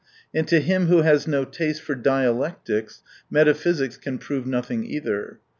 And to him who has no taste for dialectics, metaphysics can prove nothing, either.